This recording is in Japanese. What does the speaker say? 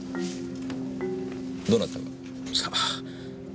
どなたが？さあ。